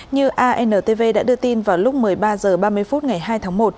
như antv đã đưa tin vào lúc một mươi ba h ba mươi phút ngày hai tháng một